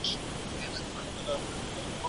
موږ باید د راتلونکي نسل په فکر کې اوسو.